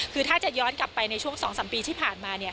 คือถ้าจะย้อนกลับไปในช่วง๒๓ปีที่ผ่านมา